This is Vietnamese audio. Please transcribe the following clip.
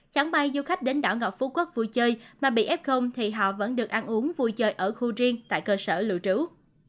chẳng bay du khách đến đảo ngọc phú quốc vui chơi mà bị f thì họ vẫn được ăn uống vui chơi ở khu riêng tại cơ sở lưu trú